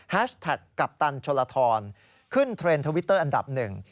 แท็กกัปตันชลทรขึ้นเทรนด์ทวิตเตอร์อันดับหนึ่ง